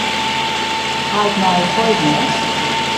Ha ik nije voicemails?